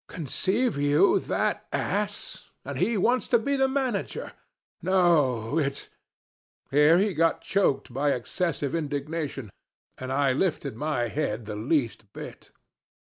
Conceive you that ass! And he wants to be manager! No, it's ' Here he got choked by excessive indignation, and I lifted my head the least bit.